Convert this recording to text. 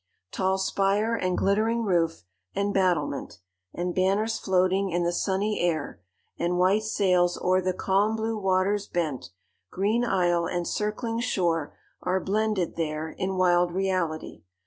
"Tall spire, and glittering roof, and battlement, And banners floating in the sunny air, And white sails o'er the calm blue waters bent, Green isle, and circling shore, are blended there In wild reality.